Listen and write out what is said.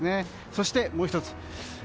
そして、もう１つ。